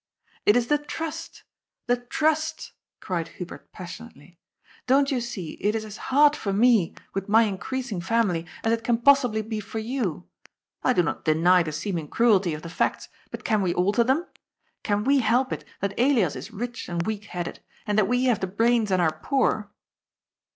" It is the trust, the trust !" cried Hubert passionately. " Don*t you see it is as hard for me, with my increasing 344 GOD'S FOOL. family, as it can possibly be for you ? I do not deny the seeming cruelty of the facts, bat can we alter them ? Can we help it that Elias is rich and weak headed, and that we haye the brains and are poor?"